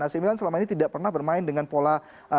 ac milan selama ini tidak pernah bermain dengan pola tiga empat tiga